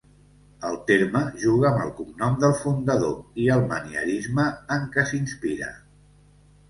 El terme juga amb el cognom del fundador i el manierisme en què s'inspira.